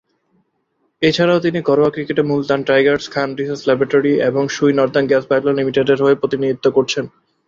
এছাড়াও তিনি ঘরোয়া ক্রিকেটে Multan Tigers, Khan research laboratory; এবং Sui northern gas pipeline limited এর হয়ে প্রতিনিধিত্ব করছেন।